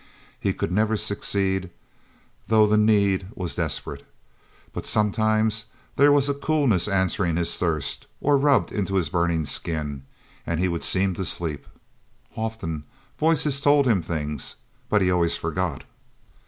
He could never succeed though the need was desperate. But sometimes there was a coolness answering his thirst, or rubbed into his burning skin, and he would seem to sleep... Often, voices told him things, but he always forgot...